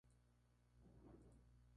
Hijo de inmigrantes polacos.